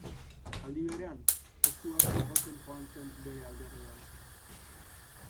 Aldi berean, postuak igotzen joan zen bere alderdian.